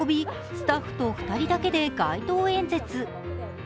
スタッフと２人だけで街頭演説。